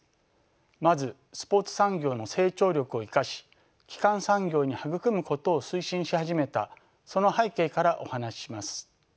まずスポーツ産業の成長力を生かし基幹産業に育むことを推進し始めたその背景からお話しします。